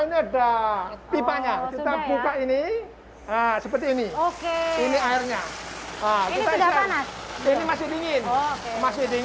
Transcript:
ini ada pipanya kita buka ini nah seperti ini oke ini airnya nah ini sudah pasangnya ini sudah pasang dan ini sudah pasang